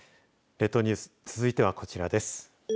列島ニュース続いてはこちらです。